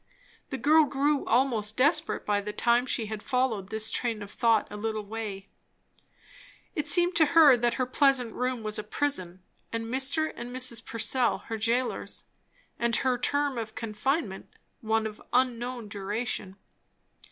The girl grew almost desperate by the time she had followed this train of thought a little way. It seemed to her that her pleasant room was a prison and Mr. and Mrs. Purcell her jailers; and her term of confinement one of unknown duration.